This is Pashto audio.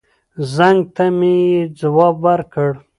زنګ ته مې يې ځواب ور کړ.